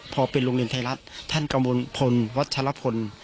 พอเป็นโรงเรียนไทยรัฐท่านกระมวลพลวัชลพล